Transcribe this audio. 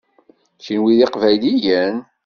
Kenwi d Iqbayliyen?